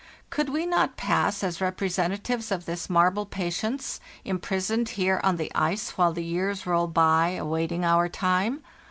Could we not pass as repre sentatives of this marble Patience, imprisoned here on the ice while the years roll by, awaiting our time?